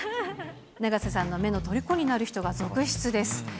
永瀬さんの目のとりこになる人が続出です。